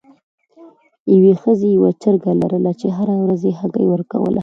یوې ښځې یوه چرګه لرله چې هره ورځ یې هګۍ ورکوله.